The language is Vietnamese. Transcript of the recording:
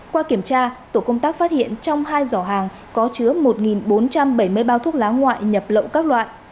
qua kiểm tra tổ công tác phát hiện trong hai giỏ hàng có chứa một bốn trăm bảy mươi bao thuốc lá ngoại nhập lậu các loại